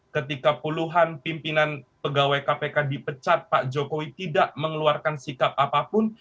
ketika puluhan pimpinan pegawai kpk dipecat pak jokowi tidak mengeluarkan sikap apapun